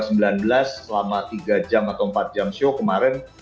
selama tiga jam atau empat jam show kemarin